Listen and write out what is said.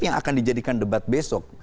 yang akan dijadikan debat besok